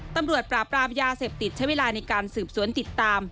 ตำรวจปราบรามยาเสพติดใช้เวลาในการสืบสวนติดตาม